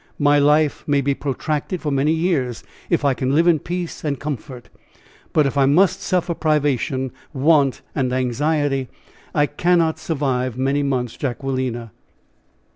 My life may be protracted for many years, if I can live in peace and comfort; but if I must suffer privation, want and anxiety, I cannot survive many months, Jacquelina."